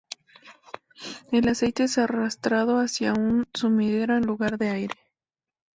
El aceite es arrastrado hacia un sumidero en lugar de aire.